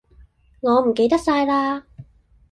我唔記得晒啦